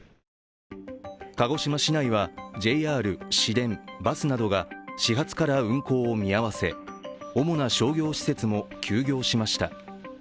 鹿児島市内はＪＲ、市電、バスなどが始発から運行を見合わせ、主な商業施設も休業しました。